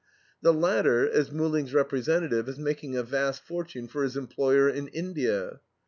The latter, as Muhling's representative, is making a vast fortune for his employer in India.